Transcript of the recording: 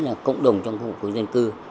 là cộng đồng trong khu dân cư